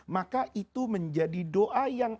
maka itu menjadi doa yang